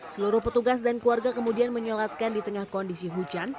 seluruh petugas dan keluarga kemudian menyolatkan di tengah kondisi hujan